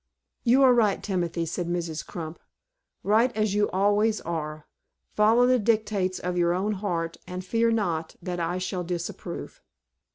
"You are right, Timothy," said Mrs. Crump; "right, as you always are. Follow the dictates of your own heart, and fear not that I shall disapprove."